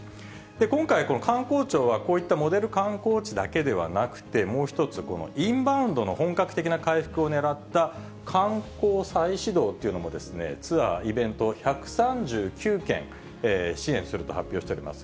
今回、この観光庁は、こういったモデル観光地だけではなくて、もう一つ、このインバウンドの本格的な回復をねらった観光再始動というのもツアー・イベント１３９件、支援すると発表しております。